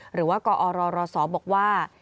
หรือว่ากอรรศบอกว่า